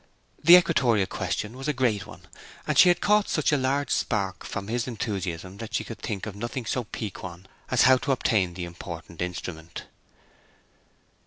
The equatorial question was a great one; and she had caught such a large spark from his enthusiasm that she could think of nothing so piquant as how to obtain the important instrument.